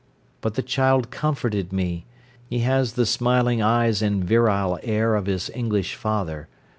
But the child comforted me. He has the smiling eyes and virile air of his English father.